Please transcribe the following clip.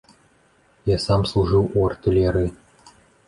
Я сам служыў у артылерыі.